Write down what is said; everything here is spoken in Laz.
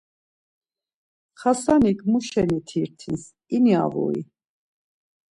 Xasanik muşeni tirtins, ini avui?